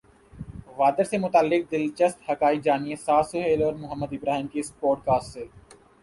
whether سے متعلق دلچسپ حقائق جانیے سعد سہیل اور محمد ابراہیم کی اس پوڈکاسٹ میں